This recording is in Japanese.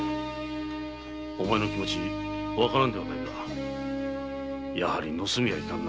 お前の気持分からぬではないがやはり盗みはいかんな。